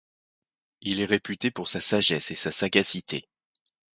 Il est réputé pour sa sagesse et sa sagacité.